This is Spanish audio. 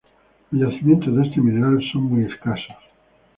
Los yacimientos de este mineral son muy escasos.